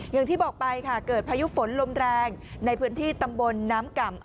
อย่างที่บอกไปค่ะเกิดพายุฝนลมแรงในพื้นที่ตำบลน้ำก่ำ